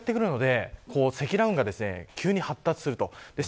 これがやってくるので積乱雲が急に発達すると。